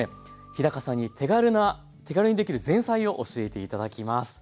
日さんに手軽にできる前菜を教えて頂きます。